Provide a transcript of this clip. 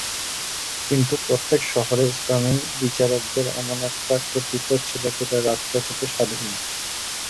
কিন্তু প্রত্যেক শহরের ইসলামী বিচারকদের এমন একটা কর্তৃত্ব ছিল যা রাষ্ট্র থেকে স্বাধীন।